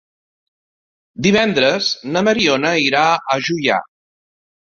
Divendres na Mariona irà a Juià.